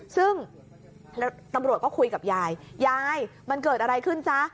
ซึ่งตำรวจก็คุยกับยายยายมันเกิดอะไรขึ้นจ๊ะ